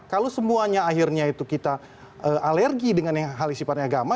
kalau semuanya akhirnya itu kita alergi dengan hal isipannya agama